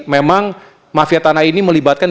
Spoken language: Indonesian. memang mafia tanah ini melibatkan